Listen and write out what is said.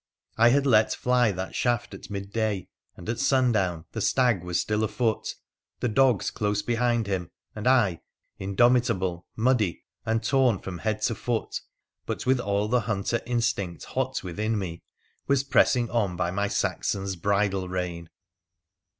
I had let fly that shaft at midday, and at sun down the stag was still afoot, the dogs close behind him, and I, indomitable, muddy, and torn from head to foot, but with all the hunter instinct hot within me, was pressing on by my Saxon's bridle rein.